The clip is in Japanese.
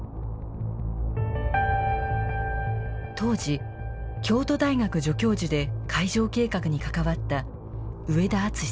当時京都大学助教授で会場計画に関わった上田篤さん。